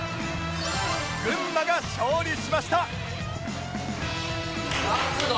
群馬が勝利しました